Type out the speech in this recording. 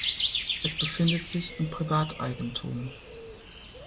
Es befindet sich in Privateigentum.